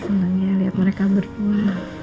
senang ya liat mereka berdua